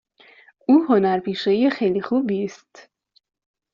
او هنرپیشه خیلی خوبی است.